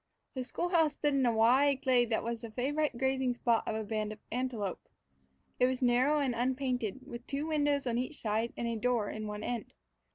The school house stood in a wide glade that was the favorite grazing spot of a band of antelope. It was narrow and unpainted, with two windows on each side and a door in one end.